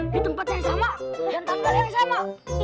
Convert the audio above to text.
di tempat saya sama dan tambah saya sama